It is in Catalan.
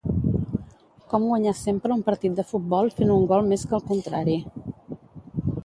Com guanyar sempre un partit de futbol fent un gol més que el contrari